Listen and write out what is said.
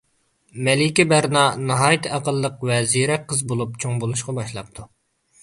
مەلىكە بەرنا ناھايىتى ئەقىللىق ۋە زېرەك قىز بولۇپ چوڭ بولۇشقا باشلاپتۇ.